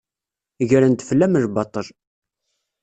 Gren-d fell-am lbaṭel.